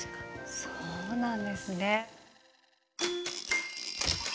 そうなんですね。